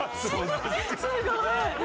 すごい！